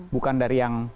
bukan dari yang